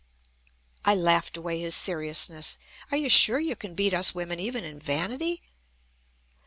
I laughed away his seriousness: "Are you sure you can beat us women even in vanity?"